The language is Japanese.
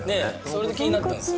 それで気になったんすよ